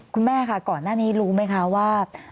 คุณแม่ค่ะก่อนหน้านี้รู้ไหมคะว่า